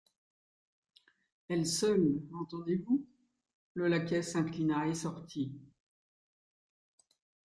Elle seule, entendez-vous ? Le laquais s'inclina et sortit.